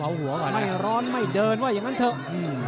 ไม่ร้อนไม่เดินว่าอย่างนั้นเถอะ